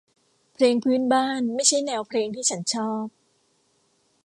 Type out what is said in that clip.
เพลงพื้นบ้านไม่ใช่แนวเพลงที่ฉันชอบ